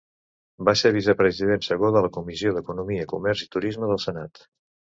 Va ser vicepresident segon de la Comissió d'Economia, Comerç i Turisme del Senat.